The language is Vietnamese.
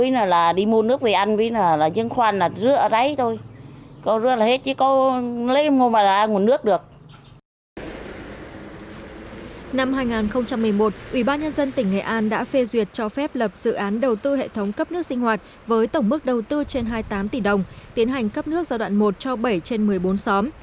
năm hai nghìn một mươi một ủy ban nhân dân tỉnh nghệ an đã phê duyệt cho phép lập dự án đầu tư hệ thống cấp nước sinh hoạt với tổng mức đầu tư trên hai mươi tám tỷ đồng tiến hành cấp nước gia đoạn một cho bảy trên một mươi bốn xóm